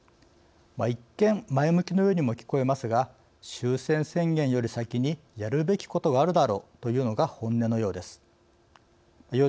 一見前向きのようにも聞こえますが終戦宣言より先にやるべきことがあるだろうというのが本音のようです。